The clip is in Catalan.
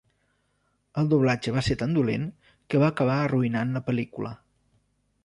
El doblatge va ser tan dolent que va acabar arruïnant la pel·lícula.